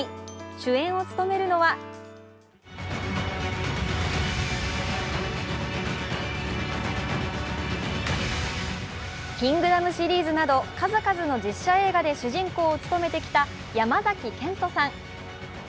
主演を務めるのは「キングダム」シリーズなど数々の実写映画で主人公を務めてきた山崎賢人さん。